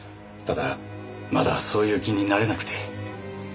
ただまだそういう気になれなくて。